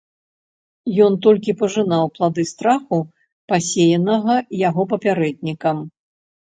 Ён толькі пажынаў плады страху, пасеянага яго папярэднікам.